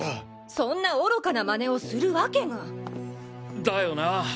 そんな愚かな真似をするわけが！だよな。